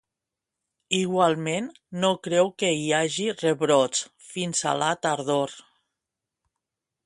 Igualment, no creu que hi hagi rebrots fins a la tardor.